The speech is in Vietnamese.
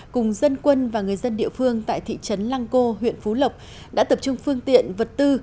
cùng dân quân và người dân địa phương tại thị trấn lăng cô huyện phú lộc đã tập trung phương tiện vật tư